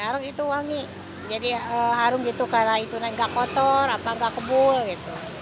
pake areng itu wangi jadi harum gitu karena itu gak kotor gak kebul gitu